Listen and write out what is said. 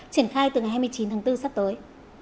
triển khai từ ngày hai mươi chín tháng bốn sắp tới